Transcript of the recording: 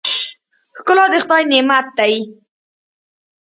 ښکلا د خدای نعمت دی.